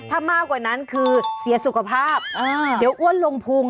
ถ้ามากกว่านั้นคือเสียสุขภาพเดี๋ยวอ้วนลงพุง